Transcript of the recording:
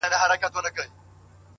له امیده یې د زړه خونه خالي سوه٫